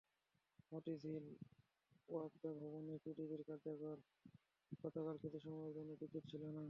মতিঝিল ওয়াপদা ভবনে পিডিবির কার্যালয় গতকাল কিছু সময়ের জন্য বিদ্যুৎ ছিল না।